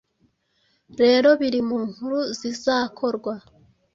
Rero biri mu nkuru zizakorwa